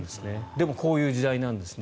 でもこういう時代なんですね。